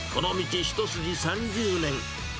この道一筋３０年。